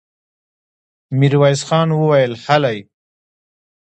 ميرويس خان وويل: هلئ!